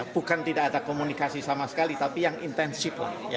bukan tidak ada komunikasi sama sekali tapi yang intensif lah